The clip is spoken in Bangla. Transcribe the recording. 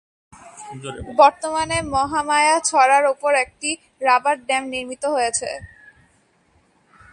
বর্তমানে মহামায়া ছড়ার উপর একটি রাবার ড্যাম নির্মিত হয়েছে।